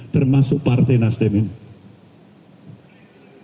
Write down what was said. termasuk partai nasdem ini